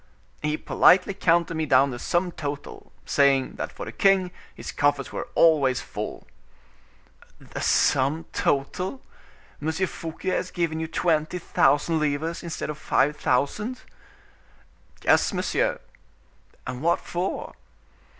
"He politely counted me down the sum total, saying, that for the king, his coffers were always full." "The sum total! M. Fouquet has given you twenty thousand livres instead of five thousand?" "Yes, monsieur." "And what for?"